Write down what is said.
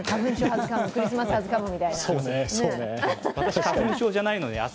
クリスマス・ハズ・カムみたいな。